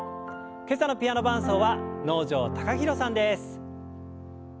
今朝のピアノ伴奏は能條貴大さんです。